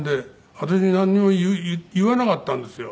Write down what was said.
私になんにも言わなかったんですよ。